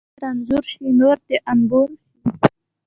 غاښ چې رنځور شي، نور د انبور شي.